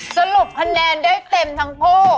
สรุปคะแนนได้เต็มทั้งคู่